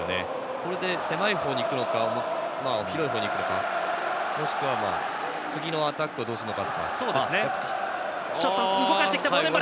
これで狭い方に行くか広い方にいくのか、もしくは次のアタックをどうするか。